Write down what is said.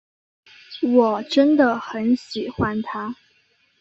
我真的很喜欢他。